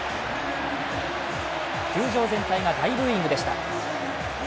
球場全体が大ブーイングでした。